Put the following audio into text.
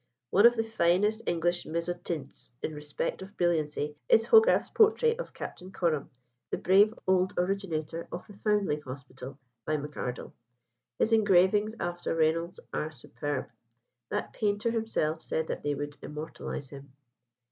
One of the finest English mezzotints in respect of brilliancy is Hogarth's portrait of Captain Coram, the brave old originator of the Foundling Hospital, by M'Ardell. His engravings after Reynolds are superb. That painter himself said that they would immortalise him.